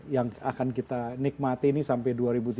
yang akan kita nikmati ini sampai dua ribu tiga puluh